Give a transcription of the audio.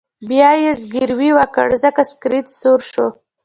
بیا یې زګیروی وکړ ځکه سکرین سور شو